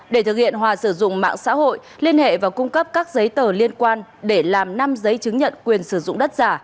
để thực hiện hòa sử dụng mạng xã hội liên hệ và cung cấp các giấy tờ liên quan để làm năm giấy chứng nhận quyền sử dụng đất giả